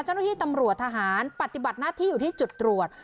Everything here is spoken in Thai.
เจ้าหน้าที่ตำรวจทหารปฏิบัติหน้าที่อยู่ที่จุดตรวจ